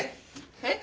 えっ？